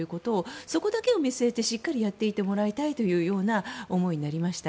そこだけを見据えて、しっかりやっていってもらいたいという思いになりました。